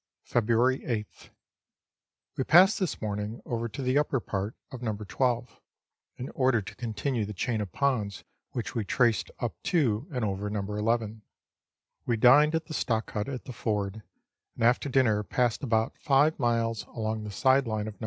February 8th. We passed this morning over to the upper part of No. 12, in order to continue the chain of ponds which we traced up to and over No. 11. We dined at the stock hut at the ford, and after dinner passed about five miles along the side line of No.